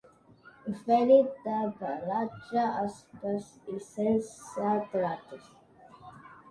Fèlid de pelatge espès i sense ratlles.